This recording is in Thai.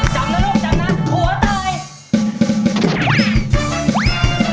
จำนะลูกจำนะหัวตาย